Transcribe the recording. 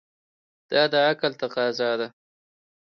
دا د عقل تقاضا ده.